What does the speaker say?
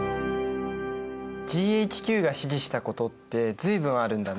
ＧＨＱが指示したことって随分あるんだね。